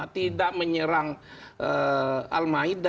tidak menyerang al maida